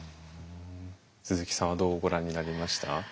鈴木さんはどうご覧になりました？